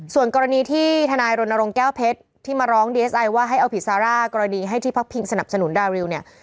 ส่วนกรณีที่ทนายรณรงค์แก้วเพชรที่มาร้องดีเอสไอว่าให้เอาผิดซาร่ากรณีให้ที่พักพิงสนับสนุนดาริวเนี่ย